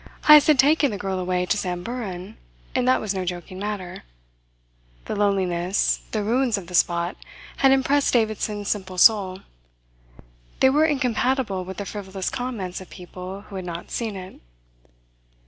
Heyst had taken the girl away to Samburan; and that was no joking matter. The loneliness, the ruins of the spot, had impressed Davidson's simple soul. They were incompatible with the frivolous comments of people who had not seen it.